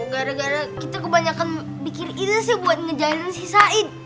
gara gara kita kebanyakan bikin ini sih buat ngejalanin si said